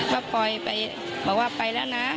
ก็ปล่อยไปบอกว่าไปแล้วนะ